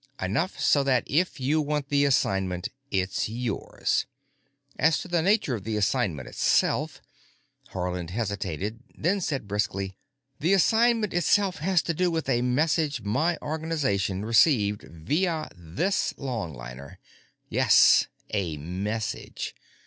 Enough so that, if you want the assignment, it's yours. As to the nature of the assignment itself——" Haarland hesitated, then said briskly, "The assignment itself has to do with a message my organization received via this longliner. Yes, a message.